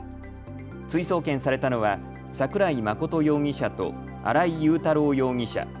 追送検されたのは櫻井眞容疑者と新井雄太郎容疑者。